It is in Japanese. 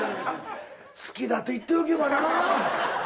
好きだと言っておけばなぁ。